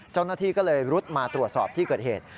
เจ้าหน้าที่ก็เลยรุดมาตรวจสอบที่เกิดเหตุ